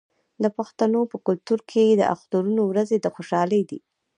د پښتنو په کلتور کې د اخترونو ورځې د خوشحالۍ دي.